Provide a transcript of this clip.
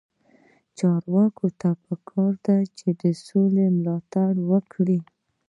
چارواکو ته پکار ده چې، سوله ملاتړ وکړي.